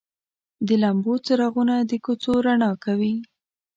د لمبو څراغونه د کوڅو رڼا کوي.